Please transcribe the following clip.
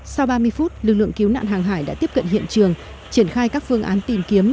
sau ba mươi phút lực lượng cứu nạn hàng hải đã tiếp cận hiện trường triển khai các phương án tìm kiếm